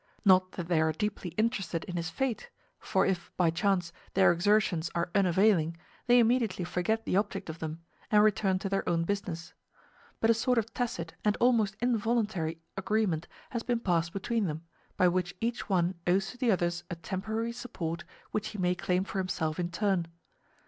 Not that they are deeply interested in his fate; for if, by chance, their exertions are unavailing, they immediately forget the object of them, and return to their own business; but a sort of tacit and almost involuntary agreement has been passed between them, by which each one owes to the others a temporary support which he may claim for himself in turn.